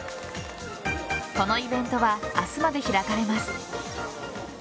このイベントは明日まで開かれます。